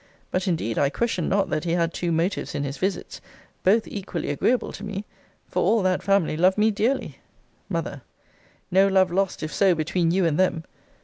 But, indeed, I question not that he had two motives in his visits both equally agreeable to me; for all that family love me dearly. M. No love lost, if so, between you and them.